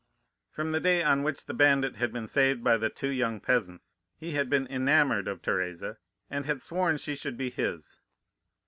"From the day on which the bandit had been saved by the two young peasants, he had been enamoured of Teresa, and had sworn she should be his.